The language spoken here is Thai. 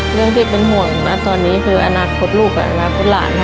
เรื่องที่เป็นห่วงนะตอนนี้คืออนาคตลูกกับอนาคตหลานค่ะ